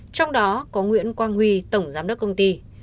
trong đó có nguyễn quang huy tổng giám đốc công ty